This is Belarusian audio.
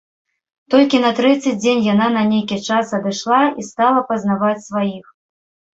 Толькі на трэці дзень яна на нейкі час адышла і стала пазнаваць сваіх.